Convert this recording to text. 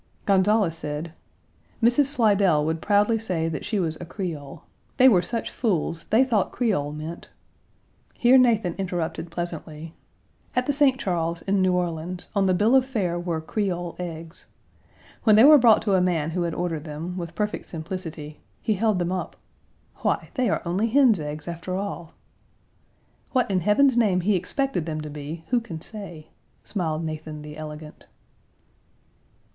Gonzales said: "Mrs. Slidell would proudly say that she was a Creole. They were such fools, they thought Creole meant " Here Nathan interrupted pleasantly: "At the St. Charles, in New Orleans, on the bill of fare were 'Creole eggs.' When they were brought to a man who had ordered them, with perfect simplicity, he held them up, 'Why, they are only hens' eggs, after all.' What in Heaven's name he expected them to be, who can say?" smiled Nathan the elegant.